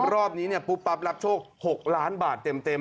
รอบนี้ปุ๊บปั๊บรับโชค๖ล้านบาทเต็ม